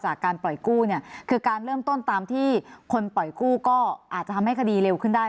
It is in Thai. แต่ถ้ามีข้อสงสัยว่าเริ่มต้นตามที่ได้จะทำให้กระดาษเร็วขึ้นได้